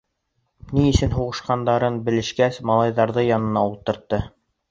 Ни өсөн һуғышҡандарын белешкәс, малайҙарҙы янына ултыртты.